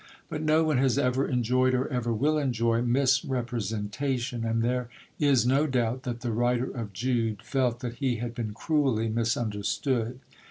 But no one has ever enjoyed or ever will enjoy misrepresentation; and there is no doubt that the writer of Jude felt that he had been cruelly misunderstood.